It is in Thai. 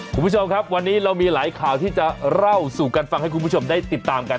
คุณผู้ชมครับวันนี้เรามีหลายข่าวที่จะเล่าสู่กันฟังให้คุณผู้ชมได้ติดตามกัน